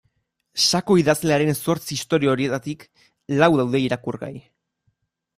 Sako idazlearen zortzi istorio horietarik lau daude irakurgai.